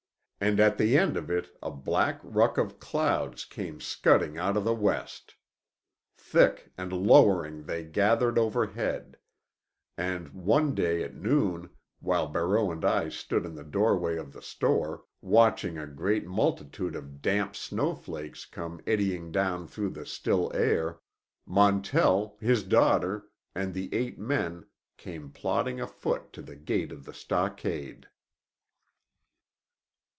At the end of it a black ruck of clouds came scudding out of the west. Thick and lowering they gathered over head, and one day at noon, while Barreau and I stood in the doorway of the store, watching a great multitude of damp snowflakes come eddying down through the still air, Montell, his daughter, and the eight men, came plodding afoot to the gate of the stockade.